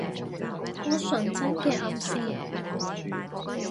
好純真嘅暗示